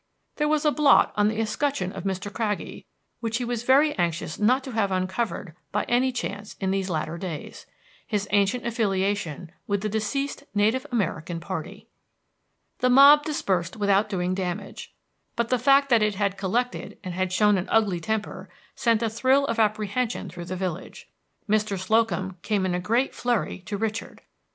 There was a blot on the escutcheon of Mr. Craggie which he was very anxious not to have uncovered by any chance in these latter days, his ancient affiliation with the deceased native American party. The mob dispersed without doing damage, but the fact that it had collected and had shown an ugly temper sent a thrill of apprehension through the village. Mr. Slocum came in a great flurry to Richard.